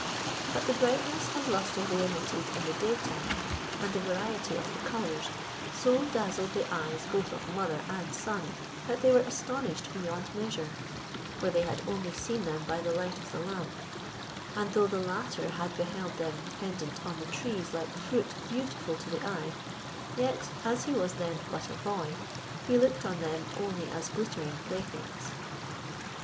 But the brightness and lustre they emitted in the day time, and the variety of the colours, so dazzled the eyes both of mother and son, that they were astonished beyond measure; for they had only seen them by the light of a lamp; and though the latter had beheld them pendant on the trees like fruit beautiful to the eye, yet as he was then but a boy, he looked on them only as glittering playthings.